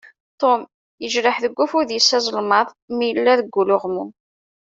Tom yejreḥ deg ufud-is azelmaḍ mi yella deg uluɣmu.